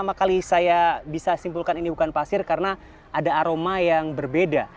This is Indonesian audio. pertama kali saya bisa simpulkan ini bukan pasir karena ada aroma yang berbeda